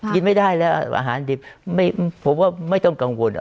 กินไม่ได้แล้วอาหารดิบผมว่าไม่ต้องกังวล